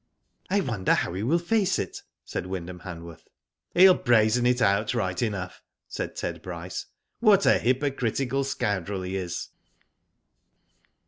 "I wonder how he will face it?" said Wynd ham Han worth. " He'll brazen it out right enough," said Ted Bryce. "What a hypocritical scoundrel he is."